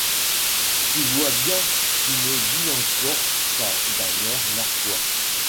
Tu vois bien, tu me dis encore ça d'un air narquois.